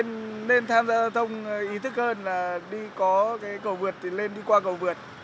nên tham gia giao thông ý thức hơn là đi có cái cầu vượt thì lên đi qua cầu vượt